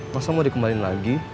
masa mau dikembalin lagi